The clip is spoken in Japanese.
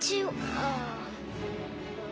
ああ。